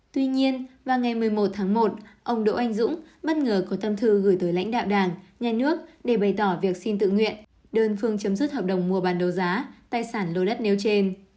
tuy nhiên vào ngày một mươi một tháng một ông đỗ anh dũng bất ngờ có tâm thư gửi tới lãnh đạo đảng nhà nước để bày tỏ việc xin tự nguyện đơn phương chấm dứt hợp đồng mua bàn đấu giá tài sản lô đất nêu trên